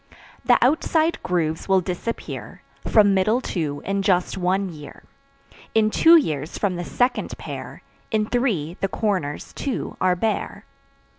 The outside grooves will disappear From middle two in just one year. In two years, from the second pair; In three, the corners, too, are bare.